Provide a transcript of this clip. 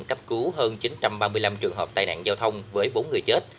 cấp cứu hơn chín trăm ba mươi năm trường hợp tai nạn giao thông với bốn người chết